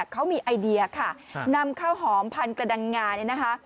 เขามีไอเดียค่ะนำข้าวหอมพันกระดังงาน